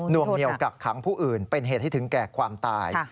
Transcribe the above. วงเหนียวกักขังผู้อื่นเป็นเหตุให้ถึงแก่ความตาย